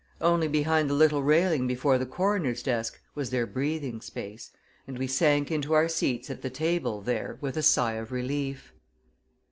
Only behind the little railing before the coroner's desk was there breathing space, and we sank into our seats at the table there with a sigh of relief.